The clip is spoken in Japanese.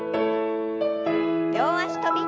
両脚跳び。